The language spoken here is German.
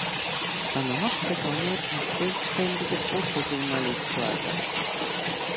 Danach begann er als selbständiger Fotojournalist zu arbeiten.